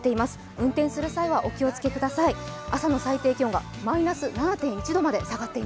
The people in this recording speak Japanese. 運転する際はお気をつけください。